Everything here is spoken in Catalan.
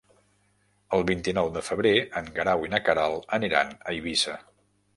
El vint-i-nou de febrer en Guerau i na Queralt aniran a Eivissa.